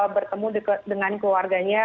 bertemu dengan keluarganya